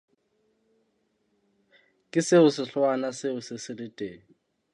Ke seo sehlohwana seo se se se le teng.